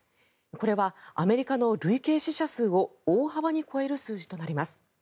これはアメリカの累計死者数を大幅に超える数字となります。